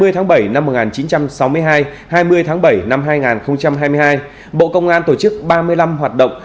hai mươi tháng bảy năm một nghìn chín trăm sáu mươi hai hai mươi tháng bảy năm hai nghìn hai mươi hai bộ công an tổ chức ba mươi năm hoạt động